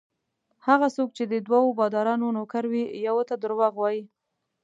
هغه څوک چې د دوو بادارانو نوکر وي یوه ته درواغ وايي.